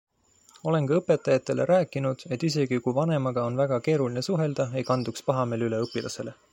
Olen ka õpetajatele rääkinud, et isegi kui vanemaga on väga keeruline suhelda, ei kanduks pahameel üle õpilasele.